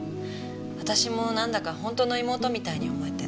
私もなんだか本当の妹みたいに思えて。